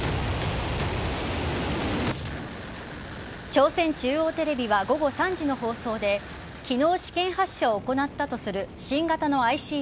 朝鮮中央テレビは午後３時の放送で昨日、試験発射を行ったとする新型のＩＣＢＭ